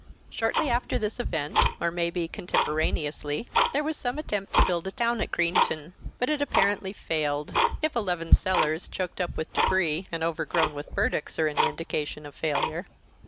Shortly after this event, or maybe contemporaneously, there was some attempt to build a town at Greenton; but it apparently failed, if eleven cellars choked up with débris and overgrown with burdocks are any indication of failure.